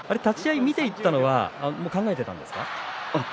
立ち合い見ていたのは考えていたんですか。